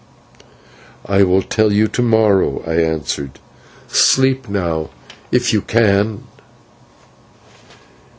"I will tell you to morrow," I answered; "sleep now if you can."